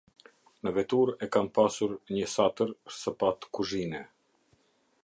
Në veturë e kam pasur nje satër, sëpatë kuzhine.